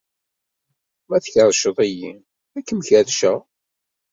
Ma tkerrced-iyi, ad kem-kerrceɣ.